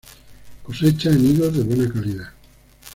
Cosecha en higos de buena calidad.